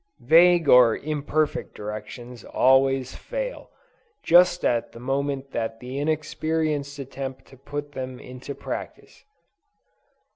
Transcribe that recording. Vague or imperfect directions always fail, just at the moment that the inexperienced attempt to put them into practice.